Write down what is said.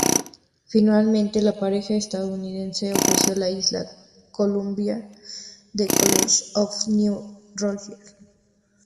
Finalmente, la pareja estadounidense ofreció la isla Columbia al College of New Rochelle.